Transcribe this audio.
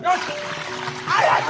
早く！